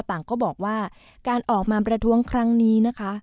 ต่างก็บอกว่าการออกมาประท้วงครั้งนี้นะคะ